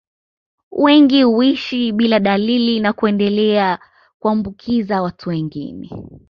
Wengi huishi bila dalili na kuendelea kuambukiza watu wengine